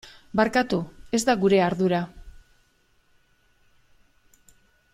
Barkatu, ez da gure ardura.